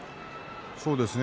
そうですね。